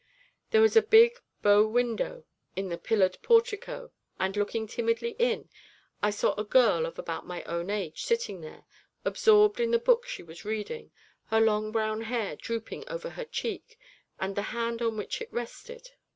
There was a big bow window by the pillared portico, and, looking timidly in, I saw a girl of about my own age sitting there, absorbed in the book she was reading, her long brown hair drooping over her cheek and the hand on which it rested.